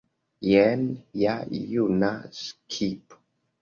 Jen ja juna skipo.